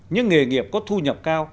những nghề nghiệp có thu nhập cao